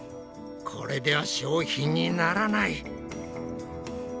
これでは商品にならない。